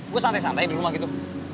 gue santai santai di rumah gitu